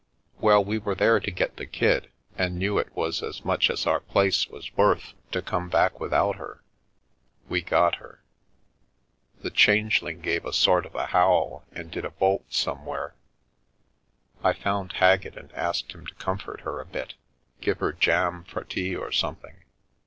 "Well — we were there to get the kid, and knew it was as much as our place was worth to come back without her. We got her. The Changeling gave a sort of a howl and did a bolt somewhere. I found Haggett and asked him to comfort her a bit — give her jam for tea or something.